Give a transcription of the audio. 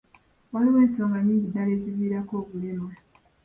Waliwo ensonga nnyingi ddala eziviirako obulema.